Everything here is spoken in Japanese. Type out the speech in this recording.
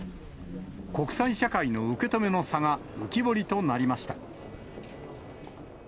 国際社会の受け止めの差が浮き彫りとなりました。